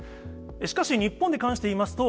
しかし、日本に関していいますと、